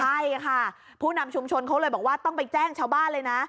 ใช่ค่ะผู้นำชุมชนเขาเลยบอกว่าต้องไปแจ้งชาวบ้านเลยนะ